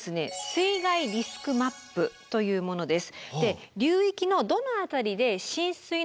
水害リスクマップというものです。